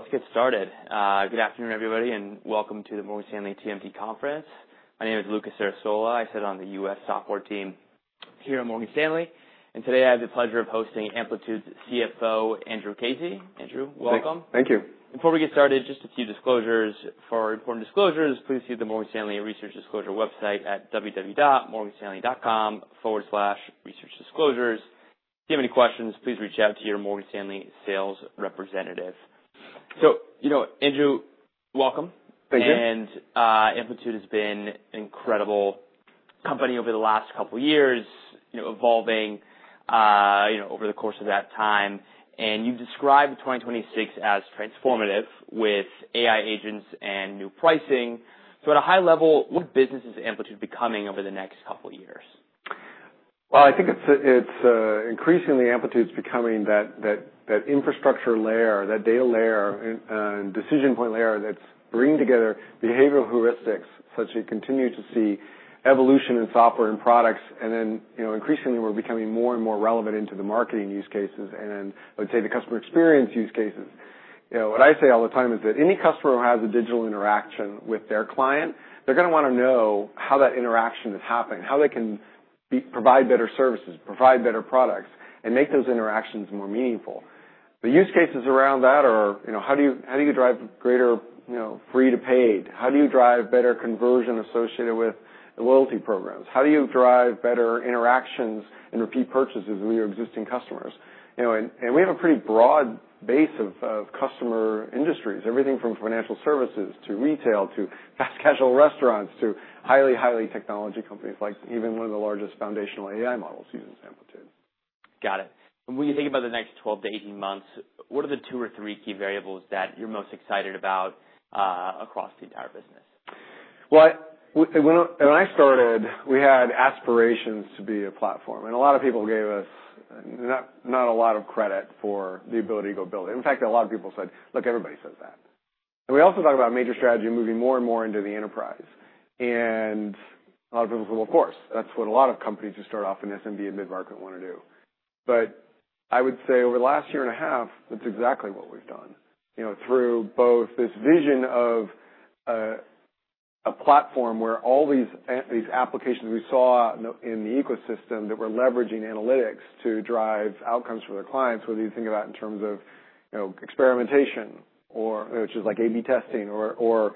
Let's get started. Good afternoon, everybody, and welcome to the Morgan Stanley TMT conference. My name is Lucas Cerisola. I sit on the US software team here at Morgan Stanley. Today I have the pleasure of hosting Amplitude's CFO, Andrew Casey. Andrew, welcome. Thank you. Before we get started, just a few disclosures. For important disclosures, please see the Morgan Stanley research disclosure website at www.morganstanley.com/researchdisclosures. If you have any questions, please reach out to your Morgan Stanley sales representative. You know, Andrew, welcome. Thank you. Amplitude has been an incredible company over the last couple years, you know, evolving, you know, over the course of that time. You've described 2026 as transformative with AI agents and new pricing. At a high level, what business is Amplitude becoming over the next couple years? Well, I think it's increasingly Amplitude's becoming that infrastructure layer, that data layer and decision point layer that's bringing together behavioral heuristics, such as you continue to see evolution in software and products. You know, increasingly we're becoming more and more relevant into the marketing use cases, and I would say the customer experience use cases. You know, what I say all the time is that any customer who has a digital interaction with their client, they're gonna wanna know how that interaction has happened, how they can provide better services, provide better products, and make those interactions more meaningful. The use cases around that are, you know, how do you drive greater, you know, free to paid? How do you drive better conversion associated with loyalty programs? How do you drive better interactions and repeat purchases with your existing customers? You know, we have a pretty broad base of customer industries, everything from financial services to retail, to fast casual restaurants, to highly technology companies, like even one of the largest foundational AI models uses Amplitude. Got it. When you think about the next 12-18 months, what are the two or three key variables that you're most excited about across the entire business? When I started, we had aspirations to be a platform. A lot of people gave us not a lot of credit for the ability to go build it. In fact, a lot of people said, "Look, everybody says that." We also talked about major strategy moving more and more into the enterprise. A lot of people said, "Well, of course, that's what a lot of companies who start off in SMB and mid-market wanna do." I would say over the last year and a half, that's exactly what we've done. You know, through both this vision of a platform where all these applications we saw in the ecosystem that were leveraging analytics to drive outcomes for their clients, whether you think about in terms of, you know, experimentation or which is like A/B testing or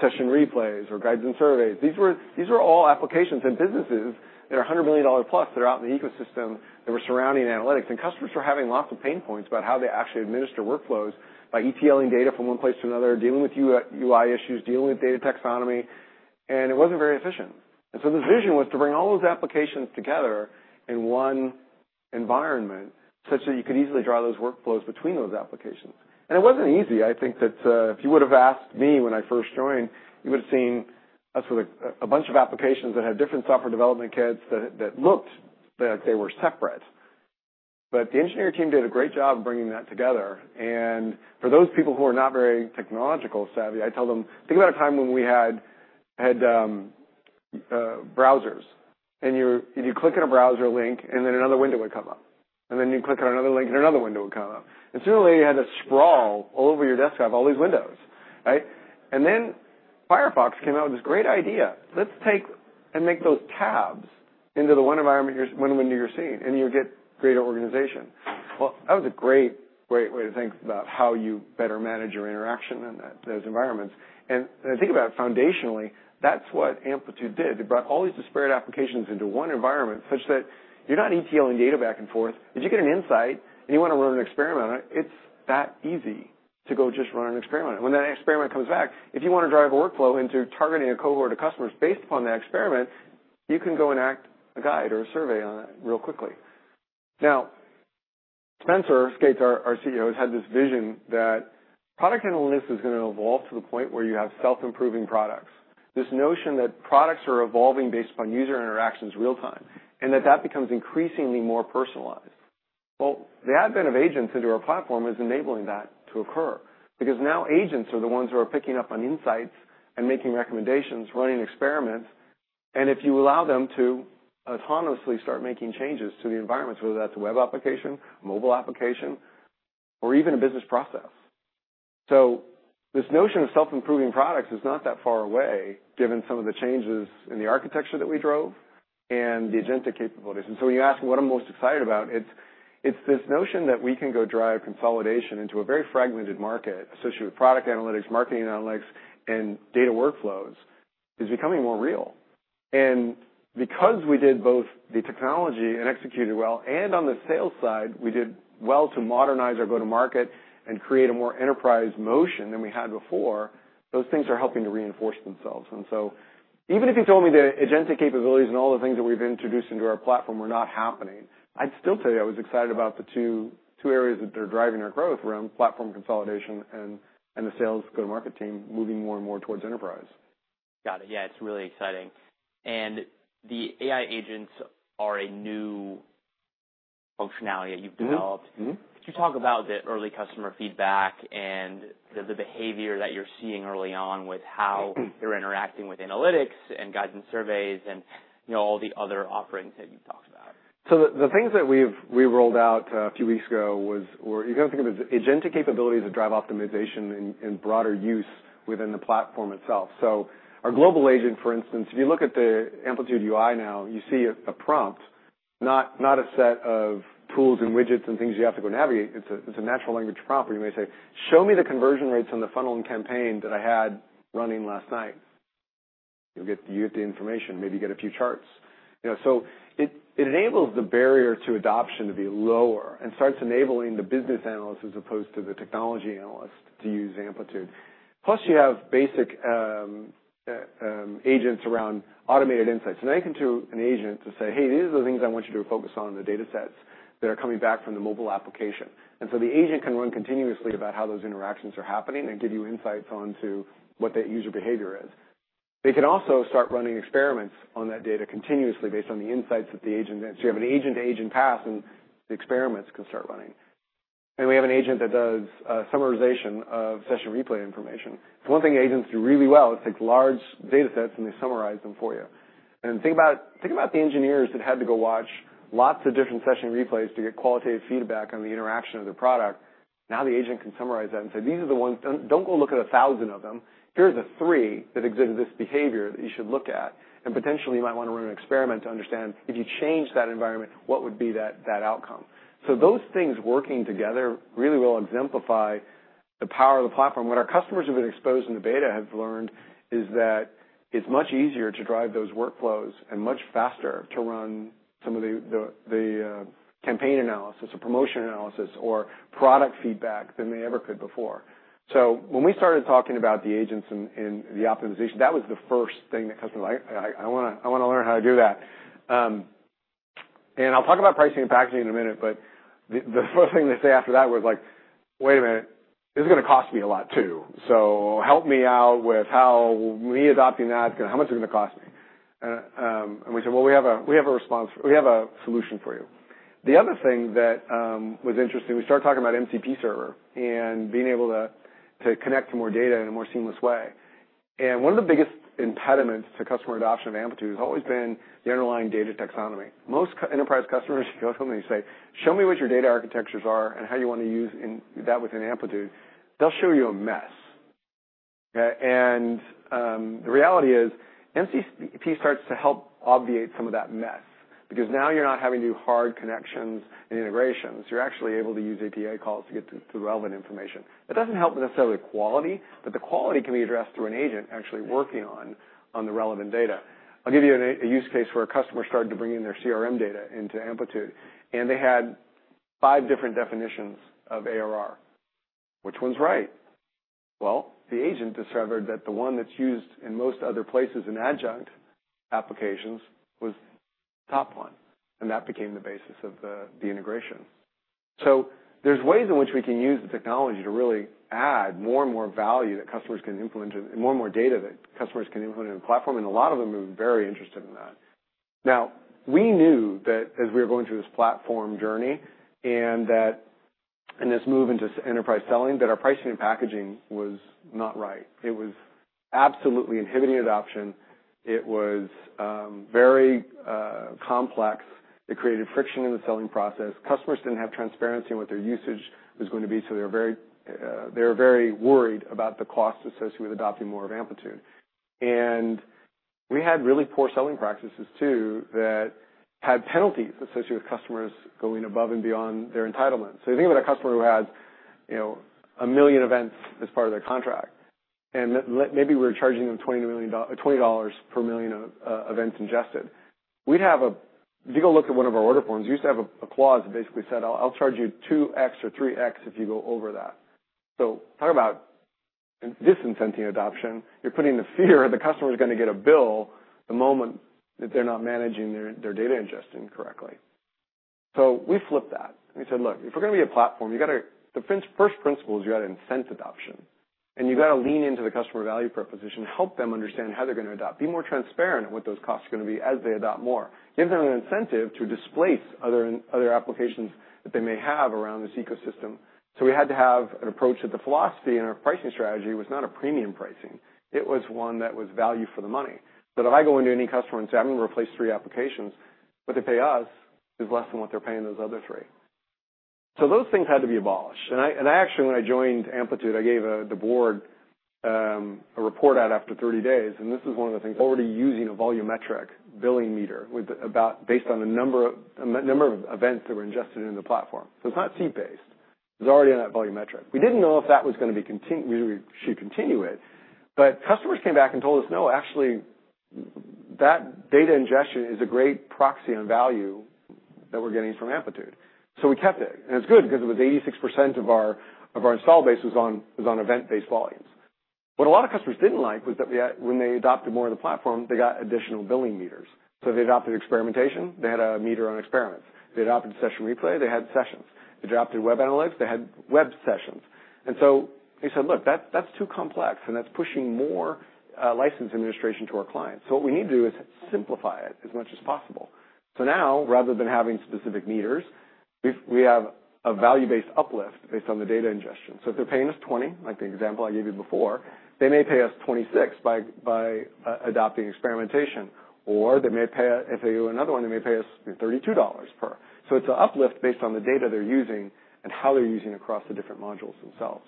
Session Replay or Guides and Surveys. These were all applications and businesses that are $100 million-plus that are out in the ecosystem that were surrounding analytics. Customers were having lots of pain points about how they actually administer workflows by ETLing data from one place to another, dealing with UI issues, dealing with data taxonomy, and it wasn't very efficient. The vision was to bring all those applications together in one environment, such that you could easily draw those workflows between those applications. It wasn't easy. I think that, if you would've asked me when I first joined, you would've seen a bunch of applications that had different software development kits that looked that they were separate. The engineering team did a great job bringing that together. For those people who are not very technological savvy, I tell them, think about a time when we had browsers, and you click on a browser link, and then another window would come up, and then you'd click on another link, and another window would come up. Suddenly you had to sprawl all over your desktop, all these windows, right? Then Firefox came out with this great idea. Let's take and make those tabs into the one environment, one window you're seeing, and you get greater organization. Well, that was a great way to think about how you better manage your interaction in those environments. If you think about it foundationally, that's what Amplitude did. It brought all these disparate applications into one environment such that you're not ETLing data back and forth. If you get an insight and you wanna run an experiment on it's that easy to go just run an experiment. When that experiment comes back, if you wanna drive a workflow into targeting a cohort of customers based upon that experiment, you can go and act a guide or a survey on it real quickly. Spenser Skates, our CEO, has had this vision that product analytics is gonna evolve to the point where you have self-improving products. This notion that products are evolving based upon user interactions real-time, and that that becomes increasingly more personalized. Well, the advent of agents into our platform is enabling that to occur because now agents are the ones who are picking up on insights and making recommendations, running experiments, and if you allow them to autonomously start making changes to the environment, so whether that's a web application, mobile application, or even a business process. This notion of self-improving products is not that far away, given some of the changes in the architecture that we drove and the agentic capabilities. When you ask me what I'm most excited about, it's this notion that we can go drive consolidation into a very fragmented market associated with product analytics, marketing analytics, and data workflows. It's becoming more real. Because we did both the technology and executed well, and on the sales side, we did well to modernize our go-to-market and create a more enterprise motion than we had before, those things are helping to reinforce themselves. Even if you told me the agentic capabilities and all the things that we've introduced into our platform were not happening, I'd still tell you I was excited about the two areas that are driving our growth around platform consolidation, and the sales go-to-market team moving more and more towards enterprise. Got it. Yeah, it's really exciting. The AI agents are a new functionality that you've developed. Mm-hmm. Mm-hmm. Could you talk about the early customer feedback, and the behavior that you're seeing early on with how they're interacting with Analytics, and Guides and Surveys and, you know, all the other offerings that you've talked about? The things that we rolled out a few weeks ago were. You gotta think of it as agentic capabilities that drive optimization and broader use within the platform itself. Our Global Agent, for instance, if you look at the Amplitude UI now, you see a prompt, not a set of tools and widgets and things you have to go navigate. It's a natural language prompt, where you may say, "Show me the conversion rates on the funneling campaign that I had running last night." You get the information, maybe you get a few charts. You know, it enables the barrier to adoption to be lower, and starts enabling the business analyst as opposed to the technology analyst to use Amplitude. Plus you have basic agents around automated insights. Now you can tell an agent to say, "Hey, these are the things I want you to focus on in the datasets that are coming back from the mobile application." The agent can run continuously about how those interactions are happening and give you insights onto what that user behavior is. They can also start running experiments on that data continuously based on the insights that the agent gets. You have an agent-to-agent path, and the experiments can start running. We have an agent that does summarization of Session Replay information. One thing agents do really well is take large datasets, and they summarize them for you. Think about the engineers that had to go watch lots of different Session Replays to get qualitative feedback on the interaction of their product. The agent can summarize that and say, "These are the ones. Don't go look at 1,000 of them. Here's the three that exhibited this behavior that you should look at, and potentially you might wanna run an experiment to understand if you change that environment, what would be that outcome." Those things working together really will exemplify the power of the platform. What our customers who have been exposed in the beta have learned is that it's much easier to drive those workflows, and much faster to run some of the campaign analysis or promotion analysis or product feedback than they ever could before. When we started talking about the agents and the optimization, that was the first thing the customer like, "I wanna learn how to do that." I'll talk about pricing and packaging in a minute, but the first thing they say after that was like, "Wait a minute. This is gonna cost me a lot too. Help me out with how me adopting that, how much is it gonna cost me?" We said, "Well, we have a solution for you." The other thing that was interesting, we started talking about MCP server and being able to connect to more data in a more seamless way. One of the biggest impediments to customer adoption of Amplitude has always been the underlying data taxonomy. Most enterprise customers, if you go to them and you say, "Show me what your data architectures are and how you wanna use that within Amplitude," they'll show you a mess. Okay? The reality is MCP starts to help obviate some of that mess because now you're not having to do hard connections and integrations. You're actually able to use API calls to get to the relevant information. That doesn't help with necessarily quality, but the quality can be addressed through an agent actually working on the relevant data. I'll give you a use case where a customer started to bring in their CRM data into Amplitude, and they had five different definitions of ARR. Which one's right? The agent discovered that the one that's used in most other places in adjunct applications was the top one, and that became the basis of the integration. There's ways in which we can use the technology to really add more and more value that customers can implement, and more and more data that customers can implement in a platform, and a lot of them are very interested in that. We knew that as we were going through this platform journey and in this move into enterprise selling, that our pricing and packaging was not right. It was absolutely inhibiting adoption. It was very complex. It created friction in the selling process. Customers didn't have transparency in what their usage was going to be, so they were very, they were very worried about the cost associated with adopting more of Amplitude. We had really poor selling practices too that had penalties associated with customers going above and beyond their entitlement. Think about a customer who had, you know, 1 million events as part of their contract, maybe we're charging them $20 per million events ingested. If you go look at one of our order forms, we used to have a clause that basically said, "I'll charge you 2x or 3x if you go over that." Talk about disincenting adoption. You're putting the fear the customer's gonna get a bill the moment that they're not managing their data ingestion correctly. We flipped that and we said, "Look, if we're gonna be a platform, you gotta. The first principle is you gotta incent adoption, and you gotta lean into the customer value proposition, help them understand how they're gonna adopt, be more transparent on what those costs are gonna be as they adopt more. Give them an incentive to displace other applications that they may have around this ecosystem. We had to have an approach that the philosophy, and our pricing strategy was not a premium pricing. It was one that was value for the money. That if I go into any customer and say, "I'm gonna replace three applications," what they pay us is less than what they're paying those other three. Those things had to be abolished. I actually, when I joined Amplitude, I gave the board a report out after 30 days. This is one of the things already using a volumetric billing meter based on the number of events that were ingested into the platform. It's not seat-based. It was already on that volumetric. We didn't know if that was gonna be we should continue it, but customers came back and told us, "No, actually, that data ingestion is a great proxy on value that we're getting from Amplitude." We kept it, and it's good because it was 86% of our install base was on event-based volumes. What a lot of customers didn't like was that when they adopted more of the platform, they got additional billing meters. If they adopted experimentation, they had a meter on experiments. If they adopted Session Replay, they had sessions. If they adopted web analytics, they had web sessions. We said, "Look, that's too complex, and that's pushing more license administration to our clients. What we need to do is simplify it as much as possible." Now, rather than having specific meters. We have a value-based uplift based on the data ingestion. If they're paying us $20, like the example I gave you before, they may pay us $26 by adopting experimentation, or if they do another one, they may pay us $32 per. It's an uplift based on the data they're using and how they're using across the different modules themselves.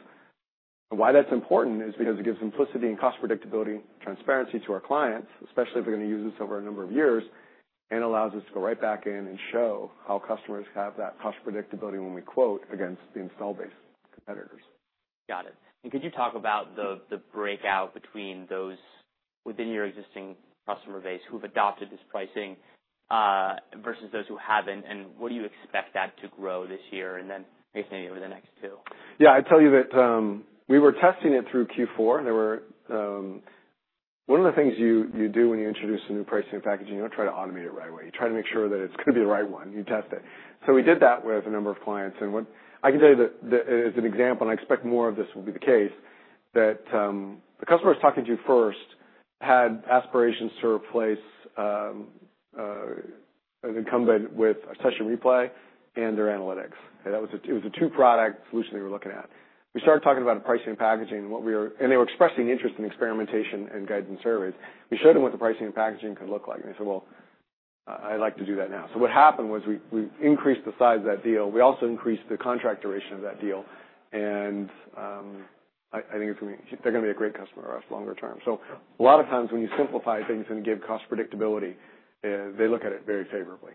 Why that's important is because it gives simplicity and cost predictability, transparency to our clients, especially if they're gonna use this over a number of years, and allows us to go right back in and show how customers have that cost predictability when we quote against the install-based competitors. Got it. Could you talk about the breakout between those within your existing customer base who've adopted this pricing versus those who haven't? What do you expect that to grow this year? Maybe over the next two. Yeah. I'd tell you that we were testing it through Q4. There were. One of the things you do when you introduce a new pricing packaging, you don't try to automate it right away. You try to make sure that it's gonna be the right one. You test it. We did that with a number of clients. I can tell you that as an example, and I expect more of this will be the case, that the customers talking to you first had aspirations to replace an incumbent with a Session Replay and their analytics. That was a 2-product solution they were looking at. We started talking about pricing and packaging and they were expressing interest in experimentation and Guides and Surveys. We showed them what the pricing and packaging could look like, they said, "Well, I'd like to do that now." What happened was we increased the size of that deal. We also increased the contract duration of that deal. I think they're gonna be a great customer of us longer term. A lot of times when you simplify things and give cost predictability, they look at it very favorably.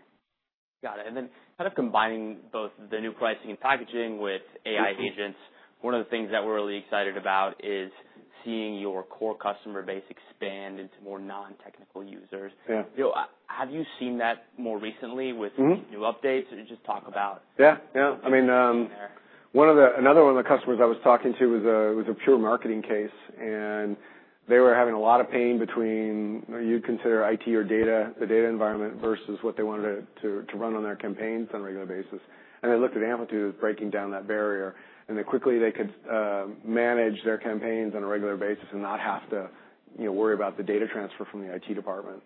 Got it. Then kind of combining both the new pricing and packaging with AI agents, one of the things that we're really excited about is seeing your core customer base expand into more non-technical users. Yeah. Andrew, have you seen that more recently? Mm-hmm. These new updates? Or just talk about. Yeah, yeah. I mean, another one of the customers I was talking to was a pure marketing case, they were having a lot of pain between you'd consider IT or data, the data environment versus what they wanted to run on their campaigns on a regular basis. They looked at Amplitude as breaking down that barrier, then quickly they could manage their campaigns on a regular basis and not have to, you know, worry about the data transfer from the IT department.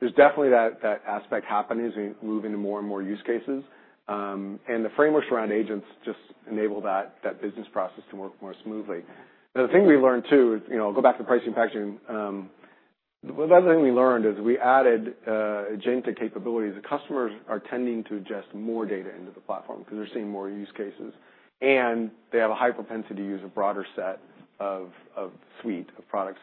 There's definitely that aspect happening as we move into more and more use cases. The frameworks around agents just enable that business process to work more smoothly. The thing we learned too is, you know, go back to pricing and packaging, the other thing we learned is we added agentic capabilities. The customers are tending to ingest more data into the platform because they're seeing more use cases, and they have a high propensity to use a broader set of suite of products.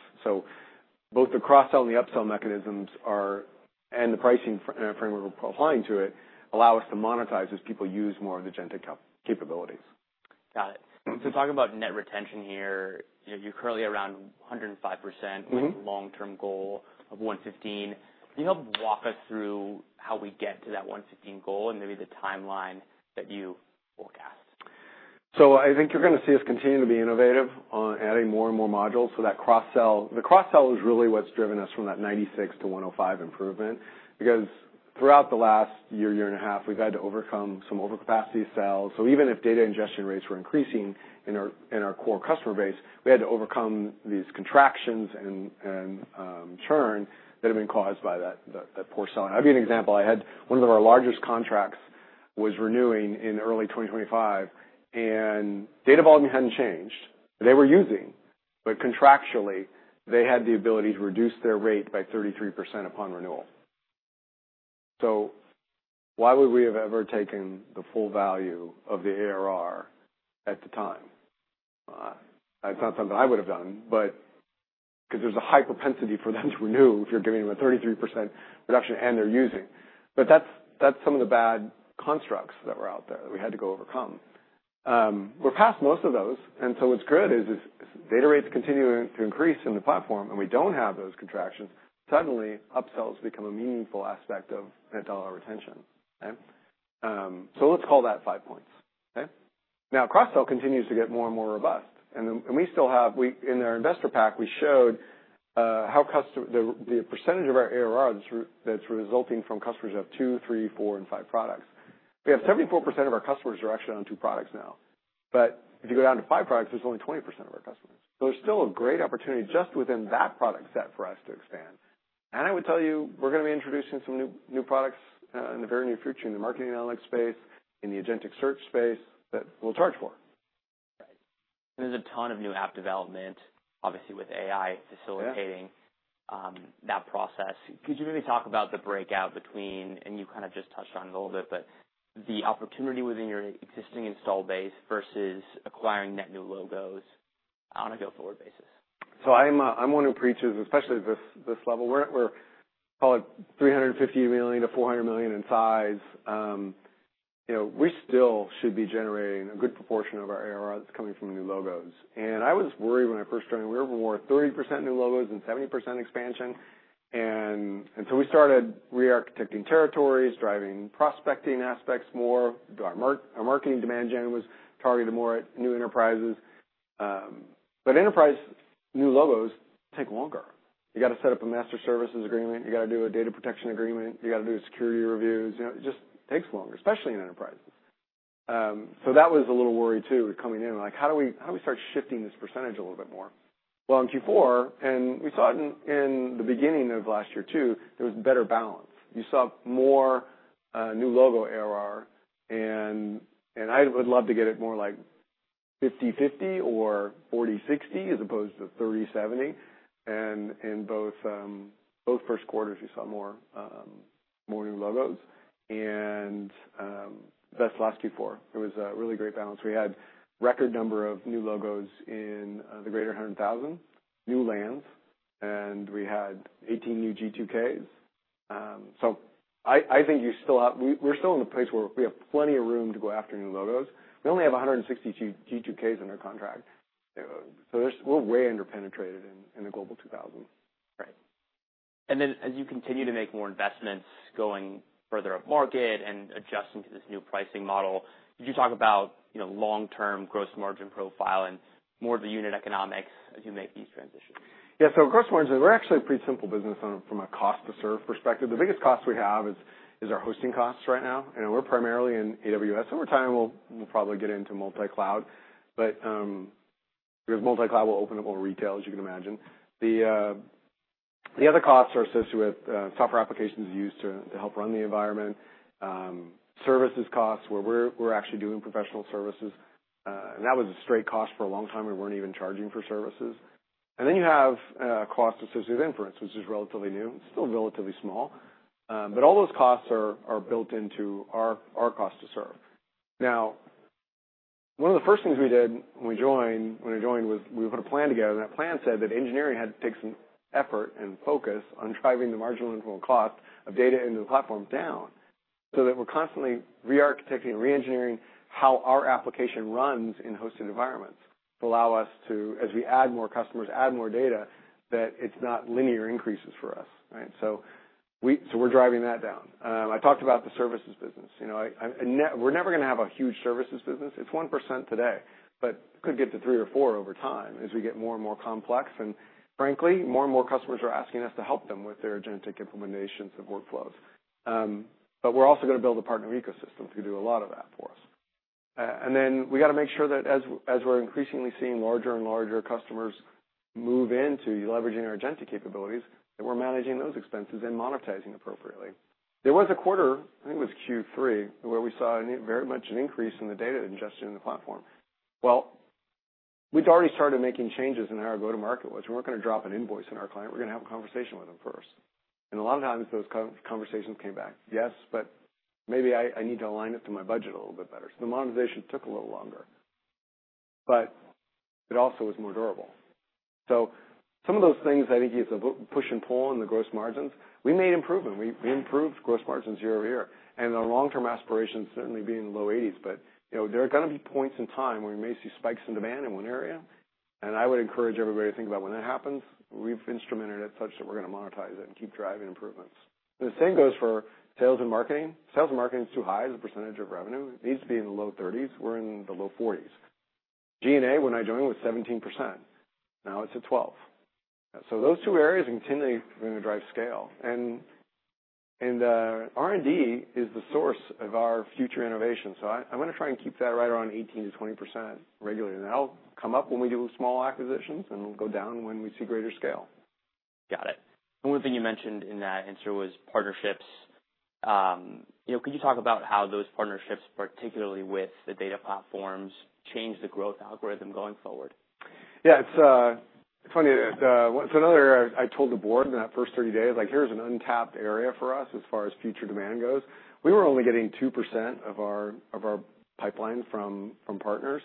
Both the cross-sell and the up-sell mechanisms and the pricing framework we're applying to it allow us to monetize as people use more of the agentic capabilities. Got it. Talking about net retention here, you're currently around 105%. Mm-hmm. With a long-term goal of 115%. Can you help walk us through how we get to that 115% goal and maybe the timeline that you forecast? I think you're gonna see us continue to be innovative on adding more and more modules. That cross-sell. The cross-sell is really what's driven us from that 96% to 105% improvement. Throughout the last year and a half, we've had to overcome some overcapacity sales. Even if data ingestion rates were increasing in our core customer base, we had to overcome these contractions and churn that have been caused by that poor selling. I'll give you an example. I had one of our largest contracts was renewing in early 2025, and data volume hadn't changed. They were using, but contractually, they had the ability to reduce their rate by 33% upon renewal. Why would we have ever taken the full value of the ARR at the time? It's not something I would have done, but because there's a high propensity for them to renew if you're giving them a 33% reduction and they're using. That's some of the bad constructs that were out there that we had to go overcome. We're past most of those, what's good is data rates continuing to increase in the platform, and we don't have those contractions. Suddenly, upsells become a meaningful aspect of Net Dollar Retention. Okay? Let's call that five points. Okay? Cross-sell continues to get more and more robust. We still have In our investor pack, we showed how the percentage of our ARRs that's resulting from customers who have two, three, four and five products. We have 74% of our customers are actually on two products now. If you go down to five products, there's only 20% of our customers. There's still a great opportunity just within that product set for us to expand. I would tell you, we're gonna be introducing some new products in the very near future in the marketing analytics space, in the Agentic Search Space that we'll charge for. Right. There's a ton of new app development, obviously with AI facilitating- Yeah. That process. Could you maybe talk about the breakout between, and you kind of just touched on it a little bit, but the opportunity within your existing install base versus acquiring net new logos on a go-forward basis? I'm one who preaches, especially at this level. We call it $350 million-$400 million in size. You know, we still should be generating a good proportion of our ARR that's coming from new logos. I was worried when I first joined. We were more 30% new logos and 70% expansion. We started re-architecting territories, driving prospecting aspects more. Our marketing demand gen was targeted more at new enterprises. Enterprise new logos take longer. You gotta set up a master services agreement. You gotta do a data protection agreement. You gotta do security reviews. You know, it just takes longer, especially in enterprises. That was a little worry too, coming in, like how do we, how do we start shifting this percentage a little bit more? Well, in Q4, we saw it in the beginning of last year too, there was better balance. You saw more new logo ARR and I would love to get it more like 50/50 or 40/60 as opposed to 30/70. In both first quarters, you saw more new logos and thus last Q4, it was a really great balance. We had record number of new logos in the greater 100,000 new lands, and we had 18 new G2Ks. I think we're still in a place where we have plenty of room to go after new logos. We only have 162 G2Ks under contract. We're way under-penetrated in the Global 2000. Right. Then as you continue to make more investments going further up market and adjusting to this new pricing model, could you talk about, you know, long-term gross margin profile and more of the unit economics as you make these transitions? Gross margins, we're actually a pretty simple business from a cost to serve perspective. The biggest cost we have is our hosting costs right now. You know, we're primarily in AWS. Over time, we'll probably get into multi-cloud, but because multi-cloud will open up more retail, as you can imagine. The other costs are associated with software applications used to help run the environment. Services costs, where we're actually doing professional services. That was a straight cost for a long time. We weren't even charging for services. You have cost associated with inference, which is relatively new. It's still relatively small. All those costs are built into our cost to serve. One of the first things we did when I joined was we put a plan together. That plan said that engineering had to take some effort and focus on driving the marginal incremental cost of data into the platform down, so that we're constantly re-architecting and re-engineering how our application runs in hosted environments to allow us to, as we add more customers, add more data, that it's not linear increases for us, right? We're driving that down. I talked about the services business. You know, I, we're never gonna have a huge services business. It's 1% today. Could get to 3% or 4% over time as we get more and more complex. Frankly, more and more customers are asking us to help them with their Agentic implementations of workflows. We're also gonna build a partner ecosystem to do a lot of that for us. We gotta make sure that as we're increasingly seeing larger and larger customers move into leveraging our agentic capabilities, that we're managing those expenses and monetizing appropriately. There was a quarter, I think it was Q3, where we saw a very much an increase in the data ingestion in the platform. We'd already started making changes in how our go-to-market was. We weren't gonna drop an invoice on our client. We were gonna have a conversation with them first. A lot of times those conversations came back, "Yes, but maybe I need to align it to my budget a little bit better." The monetization took a little longer, but it also was more durable. Some of those things I think is a push and pull on the gross margins. We made improvement. We improved gross margins year-over-year. Our long-term aspirations certainly being low 80s, but, you know, there are gonna be points in time where we may see spikes in demand in one area. I would encourage everybody to think about when that happens, we've instrumented it such that we're gonna monetize it and keep driving improvements. The same goes for sales and marketing. Sales and marketing is too high as a percentage of revenue. It needs to be in the low 30s. We're in the low 40s. G&A, when I joined, was 17%. Now it's at 12%. Those two areas are continually gonna drive scale. R&D is the source of our future innovation. I'm gonna try and keep that right around 18%-20% regularly. That'll come up when we do small acquisitions, and it'll go down when we see greater scale. Got it. One thing you mentioned in that answer was partnerships. You know, could you talk about how those partnerships, particularly with the data platforms, change the growth algorithm going forward? Yeah. It's funny. It's another area I told the board in that first 30 days, like, "Here's an untapped area for us as far as future demand goes." We were only getting 2% of our, of our pipeline from partners.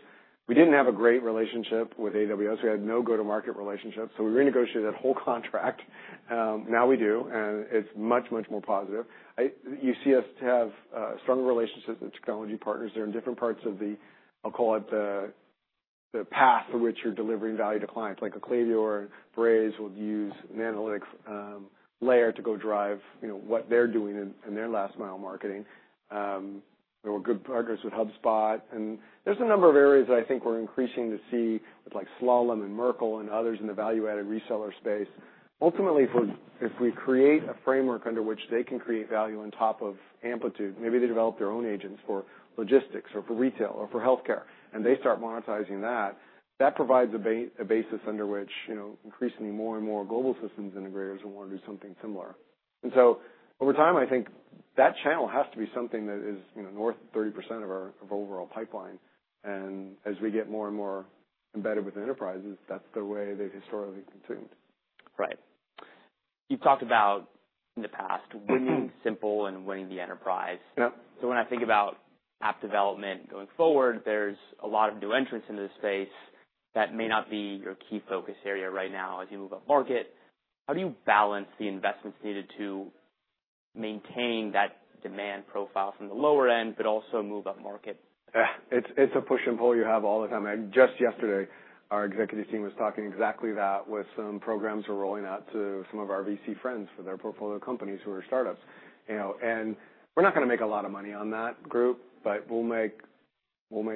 We didn't have a great relationship with AWS. We had no go-to-market relationship, so we renegotiated that whole contract. Now we do, and it's much, much more positive. You see us have strong relationships with technology partners that are in different parts of the, I'll call it, the path for which you're delivering value to clients, like a Klaviyo or Braze would use an analytics layer to go drive, you know, what they're doing in their last mile marketing. There were good partners with HubSpot, there's a number of areas that I think we're increasing to see with like Slalom and Merkle and others in the value-added reseller space. Ultimately, if we create a framework under which they can create value on top of Amplitude, maybe they develop their own agents for logistics or for retail or for healthcare, they start monetizing that provides a basis under which, you know, increasingly more and more global systems integrators will wanna do something similar. Over time, I think that channel has to be something that is, you know, north of 30% of our, of overall pipeline. As we get more and more embedded with enterprises, that's the way they've historically consumed. Right. You've talked about in the past winning simple and winning the enterprise. Yeah. When I think about app development going forward, there's a lot of new entrants into this space that may not be your key focus area right now as you move up market. How do you balance the investments needed to maintain that demand profile from the lower end but also move up market? Yeah. It's a push and pull you have all the time. Just yesterday, our executive team was talking exactly that with some programs we're rolling out to some of our VC friends for their portfolio companies who are startups. You know, we're not gonna make a lot of money on that group, but we'll make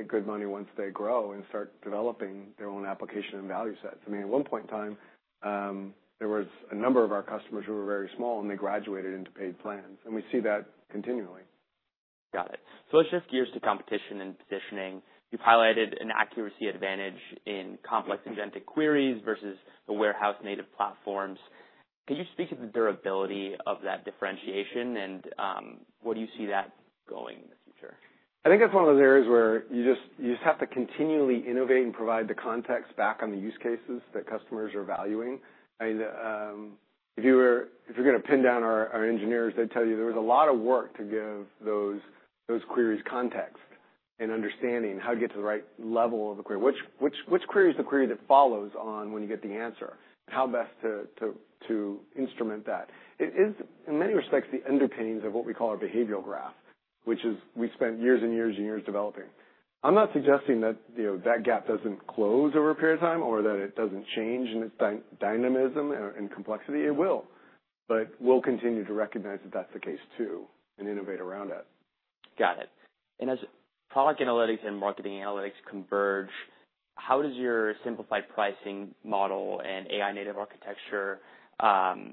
good money once they grow and start developing their own application and value sets. I mean, at one point in time, there was a number of our customers who were very small, and they graduated into paid plans, and we see that continually. Got it. Let's shift gears to competition and positioning. You've highlighted an accuracy advantage in complex invented queries versus the warehouse-native platforms. Can you speak to the durability of that differentiation and where do you see that going in the future? I think that's one of those areas where you just, you just have to continually innovate and provide the context back on the use cases that customers are valuing. If you're gonna pin down our engineers, they'd tell you there was a lot of work to give those queries context and understanding how to get to the right level of a query. Which query is the query that follows on when you get the answer? How best to instrument that. It is, in many respects, the underpinnings of what we call our Behavioral Graph, which is we spent years and years and years developing. I'm not suggesting that, you know, that gap doesn't close over a period of time or that it doesn't change in its dynamism and complexity. It will. We'll continue to recognize that that's the case too, and innovate around it. Got it. As product analytics and marketing analytics converge, how does your simplified pricing model and AI-native architecture,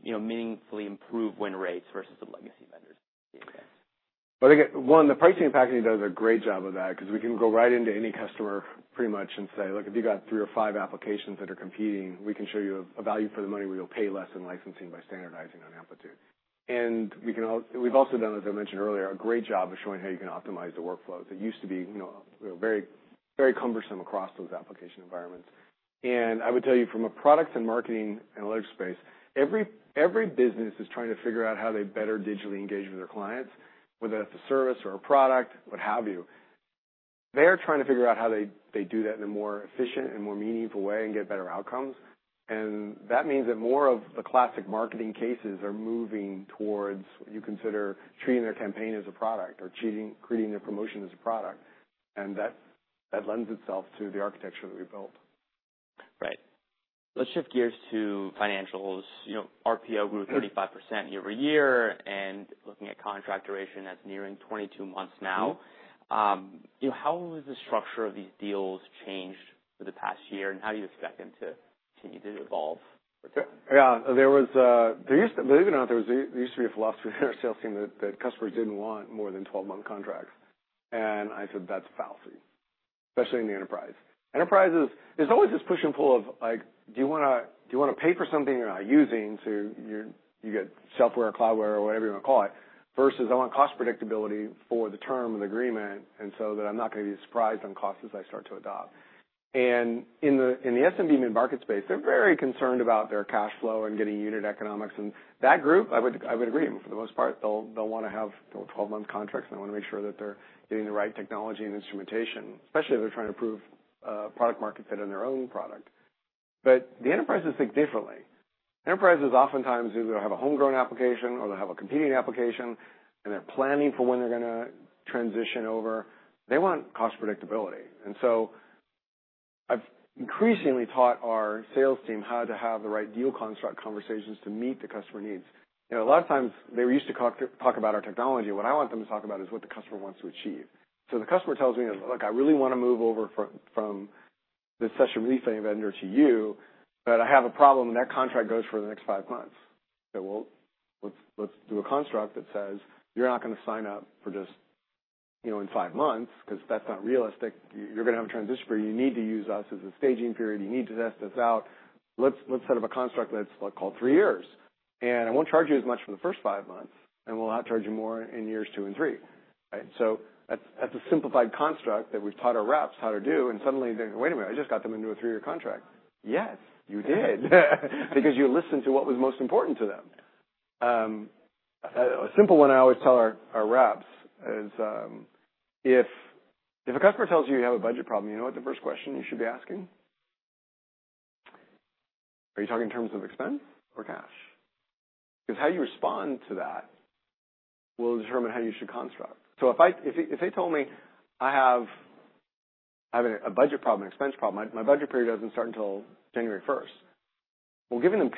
you know, meaningfully improve win rates versus the legacy vendors in this space? Again, one, the pricing and packaging does a great job of that because we can go right into any customer pretty much and say, "Look, if you got three or five applications that are competing, we can show you a value for the money where you'll pay less in licensing by standardizing on Amplitude." We've also done, as I mentioned earlier, a great job of showing how you can optimize the workflows. It used to be, you know, very cumbersome across those application environments. I would tell you from a product and marketing analytics space, every business is trying to figure out how they better digitally engage with their clients, whether that's a service or a product, what have you. They are trying to figure out how they do that in a more efficient and more meaningful way and get better outcomes. That means that more of the classic marketing cases are moving towards what you consider treating their campaign as a product or creating their promotion as a product. That lends itself to the architecture that we've built. Right. Let's shift gears to financials. You know, RPO grew 35% year-over-year, and looking at contract duration, that's nearing 22 months now. You know, how has the structure of these deals changed for the past year, and how do you expect them to continue to evolve? Yeah. Believe it or not, there used to be a philosophy in our sales team that customers didn't want more than 12-month contracts. I said, "That's fallacy," especially in the enterprise. Enterprises, there's always this push and pull of, like, do you wanna pay for something you're not using, so you get software or cloudware or whatever you wanna call it, versus I want cost predictability for the term of the agreement, and so that I'm not gonna be surprised on costs as I start to adopt. In the SMB mid-market space, they're very concerned about their cash flow and getting unit economics. That group, I would agree. For the most part, they'll wanna have 12-month contracts, and they wanna make sure that they're getting the right technology and instrumentation, especially if they're trying to prove product market fit in their own product. The enterprises think differently. Enterprises oftentimes either have a homegrown application or they have a competing application, and they're planning for when they're gonna transition over. They want cost predictability. I've increasingly taught our sales team how to have the right deal construct conversations to meet the customer needs. You know, a lot of times they used to talk about our technology. What I want them to talk about is what the customer wants to achieve. The customer tells me, "Look, I really wanna move over from this Session Replay vendor to you, but I have a problem. That contract goes for the next five months." I say, "Well, let's do a construct that says, you're not gonna sign up for just, you know, in five months because that's not realistic. You're gonna have a transition period. You need to use us as a staging period. You need to test this out. Let's, let's set up a construct that's, let's call it three years. I won't charge you as much for the first five months, and we'll charge you more in years two and three." Right? That's a simplified construct that we've taught our reps how to do, and suddenly they go, "Wait a minute, I just got them into a three year contract." Yes, you did. Because you listened to what was most important to them. A simple one I always tell our reps is, if a customer tells you you have a budget problem, you know what the first question you should be asking? Are you talking in terms of expense or cash? Because how you respond to that will determine how you should construct. If they told me, "I have a budget problem, an expense problem. My budget period doesn't start until January first," well, giving them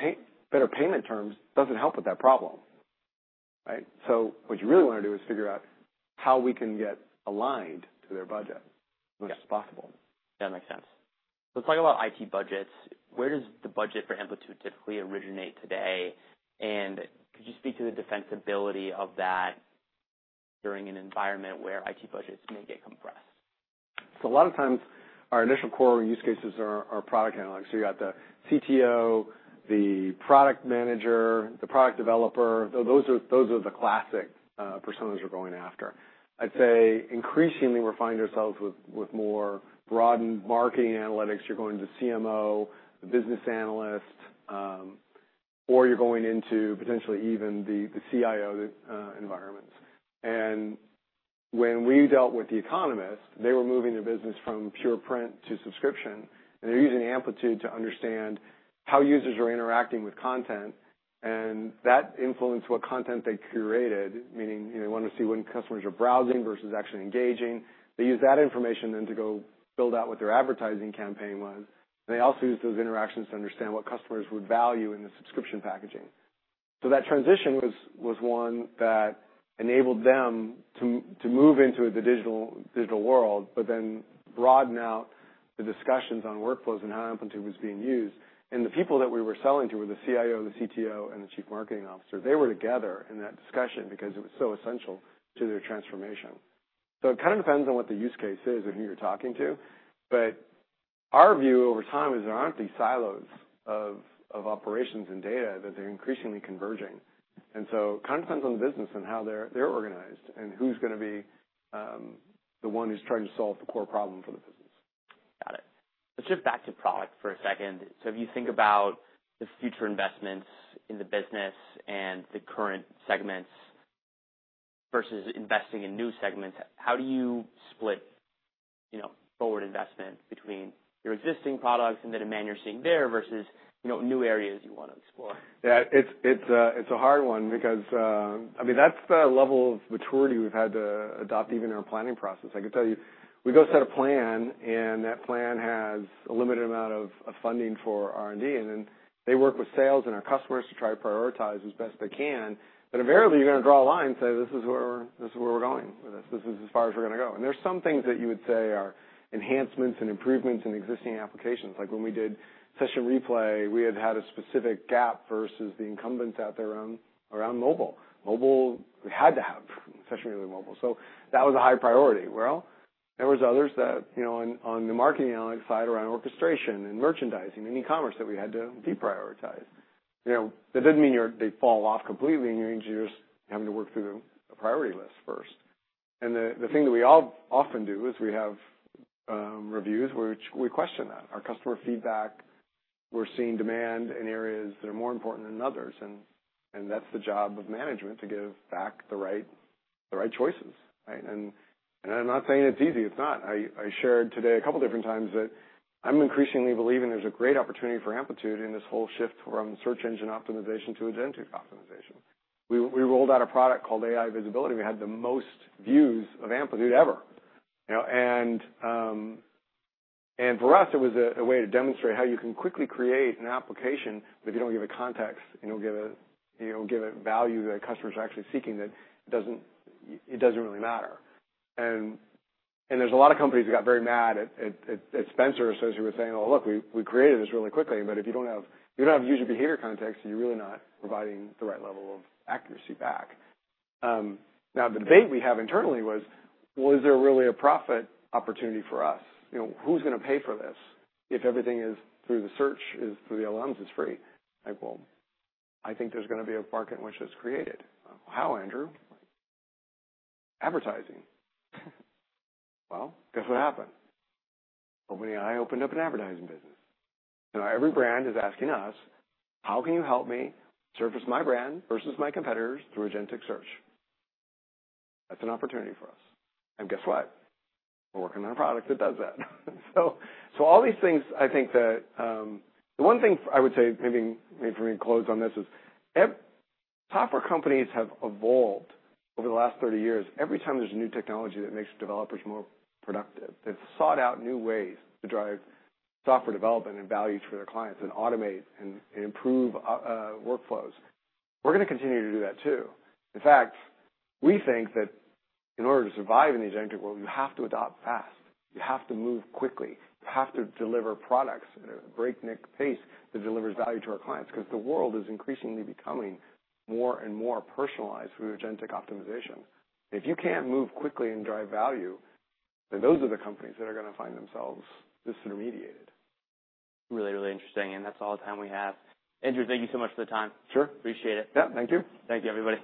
better payment terms doesn't help with that problem, right? What you really wanna do is figure out how we can get aligned to their budget- Yes.... when it's possible. That makes sense. Let's talk about IT budgets. Where does the budget for Amplitude typically originate today? Could you speak to the defensibility of that during an environment where IT budgets may get compressed? A lot of times our initial core use cases are product analytics. You got the CTO, the product manager, the product developer. Those are the classic personas we're going after. I'd say increasingly we find ourselves with more broadened marketing analytics. You're going to CMO, the business analyst, or you're going into potentially even the CIO environments. When we dealt with The Economist, they were moving the business from pure print to subscription, and they're using Amplitude to understand how users are interacting with content, and that influenced what content they curated, meaning, you know, want to see when customers are browsing versus actually engaging. They use that information then to go build out what their advertising campaign was. They also use those interactions to understand what customers would value in the subscription packaging. That transition was one that enabled them to move into the digital world, but then broaden out. The discussions on workflows and how Amplitude was being used, and the people that we were selling to were the CIO, the CTO, and the Chief Marketing Officer. They were together in that discussion because it was so essential to their transformation. It kind of depends on what the use case is and who you're talking to. Our view over time is there aren't these silos of operations and data, that they're increasingly converging. It kind of depends on the business and how they're organized and who's gonna be the one who's trying to solve the core problem for the business. Got it. Let's shift back to product for a second. If you think about the future investments in the business and the current segments versus investing in new segments, how do you split, you know, forward investment between your existing products and the demand you're seeing there versus, you know, new areas you wanna explore? Yeah. It's a hard one because, I mean, that's the level of maturity we've had to adopt even in our planning process. I can tell you, we go set a plan, and that plan has a limited amount of funding for R&D, and then they work with sales and our customers to try to prioritize as best they can. Invariably, you're gonna draw a line and say, "This is where we're going. This is as far as we're gonna go." There are some things that you would say are enhancements and improvements in existing applications. Like when we did Session Replay, we had had a specific gap versus the incumbents out there around mobile. Mobile, we had to have Session Replay mobile. That was a high priority. Well, there was others that, you know, on the marketing analytics side around orchestration and merchandising and e-commerce that we had to deprioritize. You know, that doesn't mean they fall off completely, it means you're just having to work through a priority list first. The thing that we all often do is we have reviews which we question that. Our customer feedback, we're seeing demand in areas that are more important than others, and that's the job of management to give back the right choices, right? I'm not saying it's easy. It's not. I shared today a couple different times that I'm increasingly believing there's a great opportunity for Amplitude in this whole shift from search engine optimization to Agentic Optimization. We rolled out a product called AI Visibility. We had the most views of Amplitude ever. You know? For us, it was a way to demonstrate how you can quickly create an application, but if you don't give it context and don't give it, you know, give it value that customers are actually seeking, it doesn't really matter. There's a lot of companies that got very mad at Spencer or associate with saying, "Oh, look, we created this really quickly." If you don't have user behavior context, you're really not providing the right level of accuracy back. Now the debate we have internally was there really a profit opportunity for us? You know, who's gonna pay for this if everything is through the search is through the alerts is free? Well, I think there's gonna be a market in which that's created. How, Andrew? Advertising. Guess what happened? OpenAI opened up an advertising business. Every brand is asking us, "How can you help me surface my brand versus my competitors through agentic search?" That's an opportunity for us. Guess what? We're working on a product that does that. All these things, I think that the one thing I would say maybe for me to close on this is Software companies have evolved over the last 30 years every time there's a new technology that makes developers more productive. They've sought out new ways to drive software development and value for their clients and automate and improve workflows. We're gonna continue to do that too. In fact, we think that in order to survive in the agentic world, you have to adopt fast. You have to move quickly. You have to deliver products at a breakneck pace that delivers value to our clients because the world is increasingly becoming more and more personalized through Agentic Optimization. If you can't move quickly and drive value, then those are the companies that are gonna find themselves disintermediated. Really, really interesting. That's all the time we have. Andrew, thank you so much for the time. Sure. Appreciate it. Yeah. Thank you. Thank you, everybody.